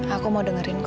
aku mau dengerin kok